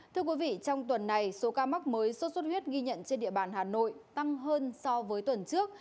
thưa quý vị trong tuần này số ca mắc mới sốt xuất huyết ghi nhận trên địa bàn hà nội tăng hơn so với tuần trước